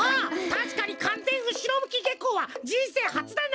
たしかにかんぜんうしろむきげこうはじんせいはつだな。